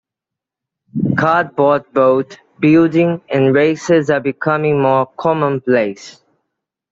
Cardboard boat building and races are becoming more commonplace.